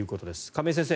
亀井先生